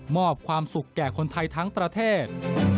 มอบความสุขแก่คนไทยทั้งประเทศ